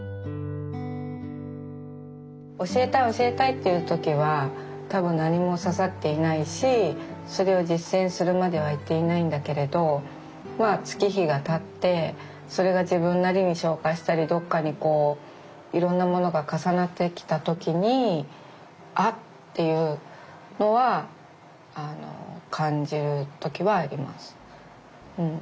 教えたい教えたいっていう時は多分何も刺さっていないしそれを実践するまではいっていないんだけれどまあ月日がたってそれが自分なりに消化したりどっかにこういろんなものが重なってきた時に「あ」っていうのは感じる時はあります。